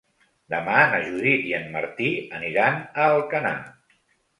Demà na Judit i en Martí aniran a Alcanar.